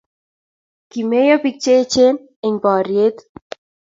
kimeyo pik cheyechen eny boriet